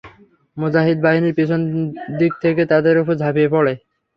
মুজাহিদ বাহিনী পিছন দিক থেকে তাদের উপর ঝাঁপিয়ে পড়ে।